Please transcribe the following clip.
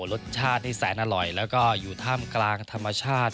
ปราบผู้ชายที่แสนอร่อยแล้วก็อยู่ต้ามกลางธรรมชาติ